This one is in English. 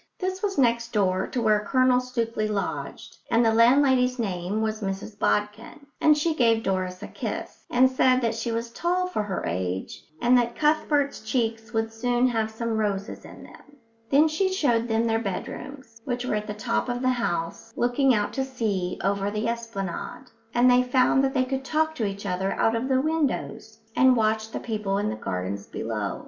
This was next door to where Colonel Stookley lodged, and the landlady's name was Mrs Bodkin; and she gave Doris a kiss, and said that she was tall for her age and that Cuthbert's cheeks would soon have some roses in them. Then she showed them their bedrooms, which were at the top of the house, looking out to sea over the esplanade; and they found that they could talk to each other out of the windows and watch the people in the gardens below.